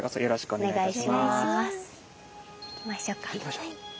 行きましょう。